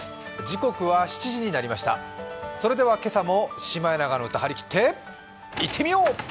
それでは今朝も「シマエナガの歌」張り切って行ってみよう！